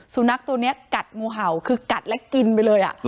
สุนัขตัวนี้กัดงูเห่าคือกัดและกินไปเลย